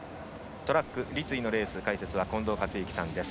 トラック、立位のレース解説、近藤さんです。